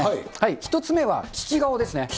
１つ目は、利き顔ですね。